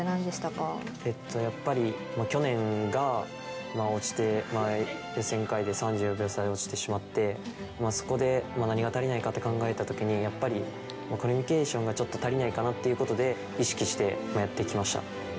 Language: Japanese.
やっぱり、去年が落ちて、予選会で３４秒差で落ちてしまって、そこで何が足りないかって考えたときに、やっぱり、コミュニケーションがちょっと足りないかなっていうことで、意識してやってきました。